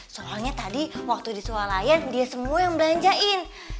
soalnya tadi waktu disualayan dia semua yang belanjain